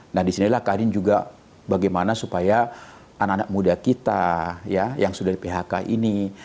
nah disinilah kadin juga bagaimana supaya anak anak muda kita yang sudah di phk ini